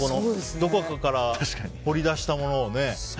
どこかから掘り出したものを。